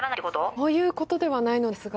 そういうことではないのですが。